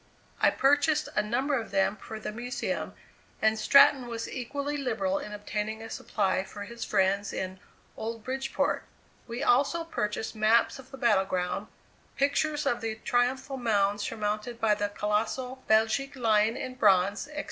I purchased a number of them for the Museum, and Stratton was equally liberal in obtaining a supply for his friends in "Old Bridgeport." We also purchased maps of the battle ground, pictures of the triumphal mound surmounted by the colossal Belgic Lion in bronze, etc.